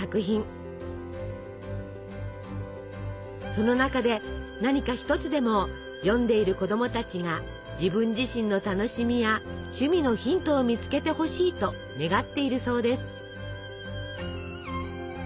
その中で何か一つでも読んでいる子供たちが自分自身の楽しみや趣味のヒントを見つけてほしいと願っているそうです。